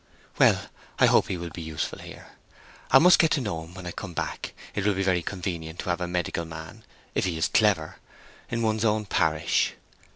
"Well, I hope he will be useful here. I must get to know him when I come back. It will be very convenient to have a medical man—if he is clever—in one's own parish.